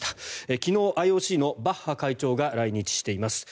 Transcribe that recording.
昨日、ＩＯＣのバッハ会長が来日しています。